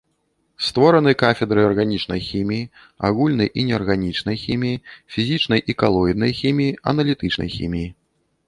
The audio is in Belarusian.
Створаны кафедры арганічнай хіміі, агульнай і неарганічнай хіміі, фізічнай і калоіднай хіміі, аналітычнай хіміі.